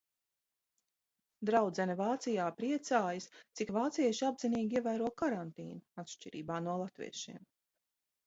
Draudzene Vācijā priecājas, cik vācieši apzinīgi ievēro karantīnu, atšķirībā no latviešiem.